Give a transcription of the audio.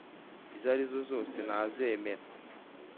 izo ari zo zose nazemera.